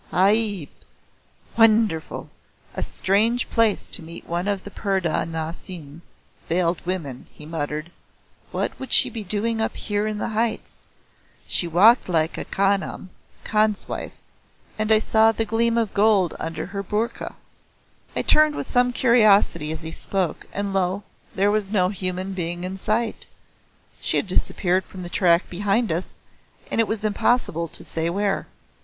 "Ajaib! (Wonderful!) A strange place to meet one of the purdah nashin (veiled women)" he muttered. "What would she be doing up here in the heights? She walked like a Khanam (khan's wife) and I saw the gleam of gold under the boorka." I turned with some curiosity as he spoke, and lo! there was no human being in sight. She had disappeared from the track behind us and it was impossible to say where.